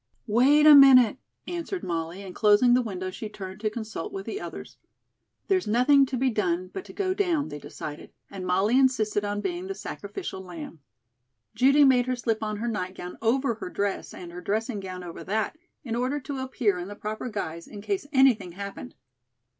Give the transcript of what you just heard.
"Wait a minute," answered Molly, and closing the window, she turned to consult with the others. "There's nothing to be done but to go down," they decided, and Molly insisted on being the sacrificial lamb. Judy made her slip on her nightgown over her dress, and her dressing gown over that, in order to appear in the proper guise in case anything happened.